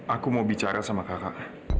aku mau bicara sama kakak